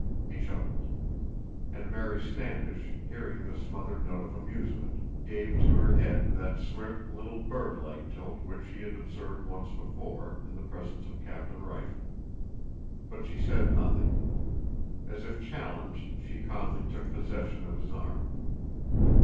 He chuckled. And Mary Standish, hearing the smothered note of amusement, gave to her head that swift little birdlike tilt which he had observed once before, in the presence of Captain Rifle. But she said nothing. As if challenged, she calmly took possession of his arm.